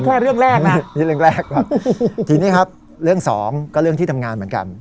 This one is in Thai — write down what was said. แค่เรื่องแรกนะนี่เรื่องแรกก่อนทีนี้ครับเรื่องสองก็เรื่องที่ทำงานเหมือนกัน